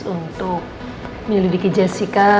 untuk menyelidiki jessica